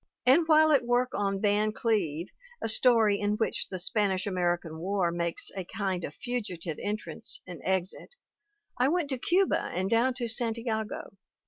And while at work on Van Cleve, a story in which the Spanish American War makes a kind of fugitive entrance and exit, I went to Cuba, and down to Santiago.